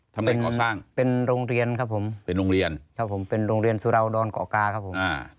ทำงานเกาะสร้างเป็นโรงเรียนครับผมเป็นโรงเรียนสุราวดอนเกาะกาครับผม